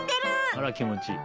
あら気持ちいい。